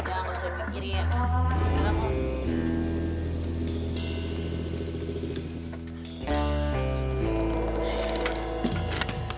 udah aku sering kekirin